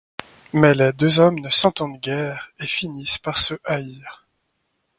Mais les deux hommes ne s'entendent guère et finissent par se haïr.